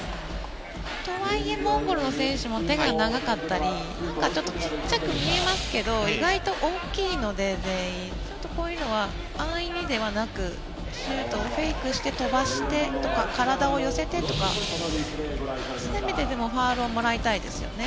とはいえモンゴルの選手も手が長かったり小さく見えますけど意外と大きいので全員こういうのは安易にではなくシュートをフェイクして飛ばしてとか体を寄せてとか、せめてファウルをもらいたいですよね。